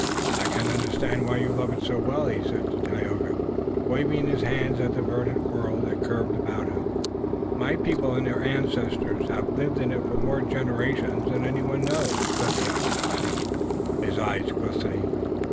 "I can understand why you love it so well," he said to Tayoga, waving his hand at the verdant world that curved about them. "My people and their ancestors have lived in it for more generations than anyone knows," said the Onondaga, his eyes glistening.